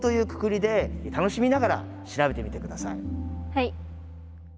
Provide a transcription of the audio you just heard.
はい。